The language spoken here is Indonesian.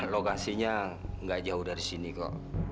lokasinya nggak jauh dari sini kok